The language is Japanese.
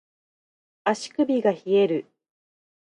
足首が冷える